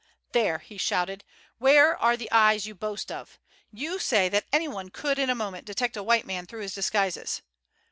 "There!" he shouted. "Where are the eyes you boast of? You say that anyone could in a moment detect a white man through his disguises.